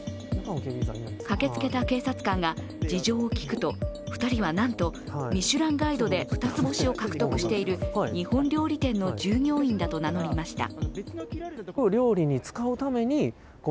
駆けつけた警察官が事情を聴くと２人はなんとミシュランガイドで二つ星を獲得している日本料理店の従業員だと名乗りました。